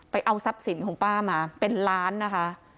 เอาทรัพย์สินของป้ามาเป็นล้านนะคะ